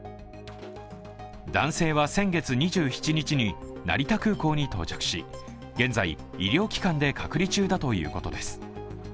男性は先月２７日に成田空港に到着し現在、医療機関で隔離中だということです。